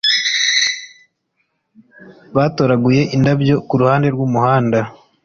batoraguye indabyo ku ruhande rw'umuhanda